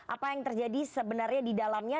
apa yang terjadi sebenarnya di dalamnya